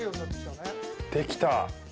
できた。